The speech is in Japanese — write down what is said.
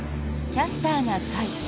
「キャスターな会」。